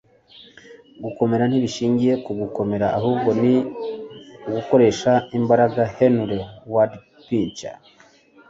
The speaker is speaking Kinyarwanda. gukomera ntibishingiye ku gukomera, ahubwo ni ugukoresha imbaraga. - henry ward beecher